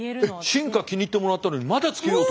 進化気に入ってもらったのにまだ付けようと。